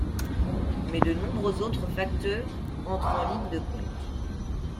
Mais de nombreux autres facteurs entrent en ligne de compte.